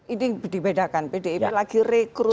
ini dibedakan pdip lagi rekrut